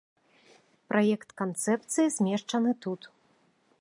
Праект канцэпцыі змешчаны тут.